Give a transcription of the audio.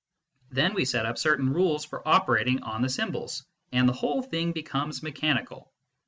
Then we set up certain rules for operating on the symbols, and the whole thing becomes mechanical.